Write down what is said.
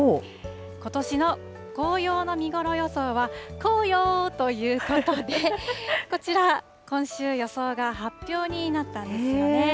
ことしの紅葉の見頃予想は、こーよーということで、こちら、今週予想が発表になったんですよね。